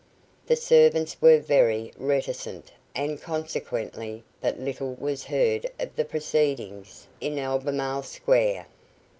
The servants were very reticent, and consequently but little was heard of the proceedings in Albemarle Square.